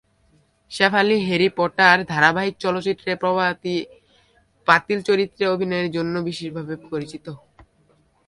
Shefali "Harry Potter" ধারাবাহিক চলচ্চিত্রে "প্রভাতী পাতিল" চরিত্রে অভিনয়ের জন্য বিশেষভাবে পরিচিত।